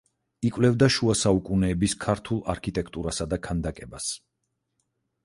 იკვლევდა შუა საუკუნეების ქართულ არქიტექტურასა და ქანდაკებას.